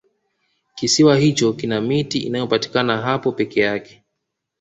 kisiwa hicho kina miti inayopatikana hapo peke yake